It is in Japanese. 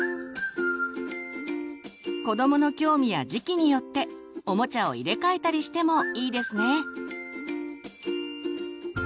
子どもの興味や時期によっておもちゃを入れ替えたりしてもいいですね。